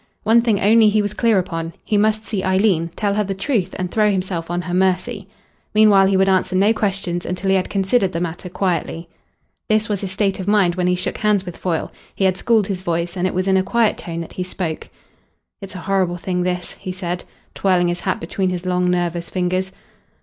One thing only he was clear upon he must see Eileen, tell her the truth and throw himself on her mercy. Meanwhile he would answer no questions until he had considered the matter quietly. This was his state of mind when he shook hands with Foyle. He had schooled his voice, and it was in a quiet tone that he spoke. "It's a horrible thing, this," he said, twirling his hat between his long, nervous fingers.